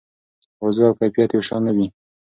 وضوح او کیفیت یو شان نه دي.